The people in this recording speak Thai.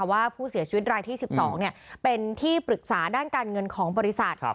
ว่าผู้เสียชีวิตรายที่๑๒เป็นที่ปรึกษาด้านการเงินของบริษัท